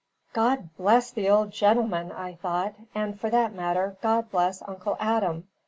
"God bless the old gentleman!" I thought; "and for that matter God bless Uncle Adam!